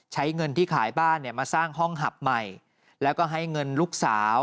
ใช้เงินที่ขายบ้านเนี่ยมาสร้างห้องหับใหม่แล้วก็ให้เงินลูกสาว